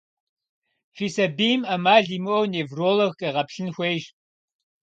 Фи сабийм Ӏэмал имыӀэу невролог къегъэплъын хуейщ.